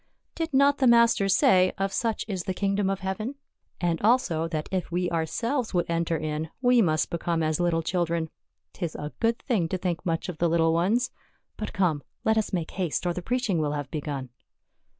" Did not the Master say, ' Of such is the kingdom of heaven ?' And also, that if we ourselves would enter in we must become as little children. 'Tis a good thing to think much of the little ones. But come, let us make haste or the preaching will have begun."